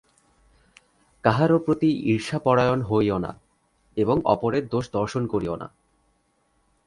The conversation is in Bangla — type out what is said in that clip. কাহারও প্রতি ঈর্ষাপরায়ণ হইও না এবং অপরের দোষ দর্শন করিও না।